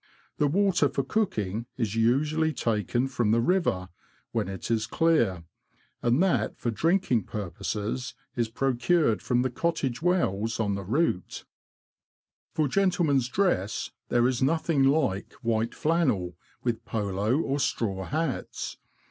The water for cooking is usually taken from the river, when it is clear, and that for drinking purposes is procured from the cottage wells on the route. For gentlemen's dress, there is nothing like white flannel, with polo or straw hats.